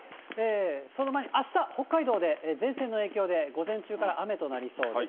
その前にあした、北海道で前線の影響で午前中から雨となりそうです。